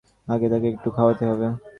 আগে তাকে একটু খাওয়াতে হবে।